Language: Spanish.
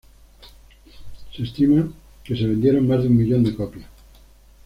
Se estima que se vendieron más de un millón de copias.